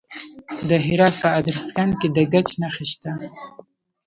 د هرات په ادرسکن کې د ګچ نښې شته.